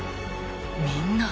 みんな。